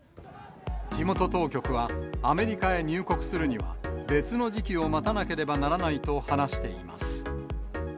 地元当局は、アメリカへ入国するには、別の時期を待たなければならないと話しています。